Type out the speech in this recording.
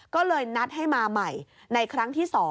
ก็เลยนัดให้มาใหม่ในครั้งที่๒